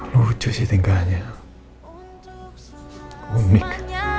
lucu sih tingkahnya unik